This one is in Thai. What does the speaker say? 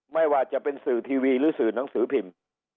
ไม่ว่าจะเป็นสื่อทีวีหรือสื่อหนังสือพิมพ์